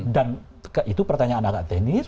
dan itu pertanyaan agak teknis